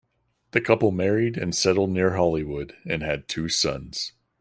The couple married and settled near Hollywood and had two sons.